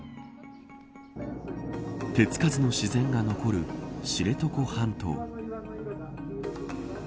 手つかずの自然が残る知床半島。